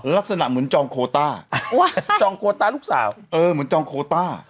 ลักษณะเหมือนจองโคต้าจองโคต้าลูกสาวเออเหมือนจองโคต้า